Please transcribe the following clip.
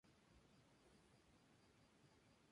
El vecino y amor platónico de Yui.